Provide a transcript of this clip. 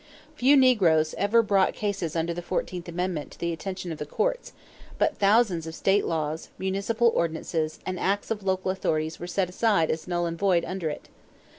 Few negroes ever brought cases under the fourteenth amendment to the attention of the courts; but thousands of state laws, municipal ordinances, and acts of local authorities were set aside as null and void under it.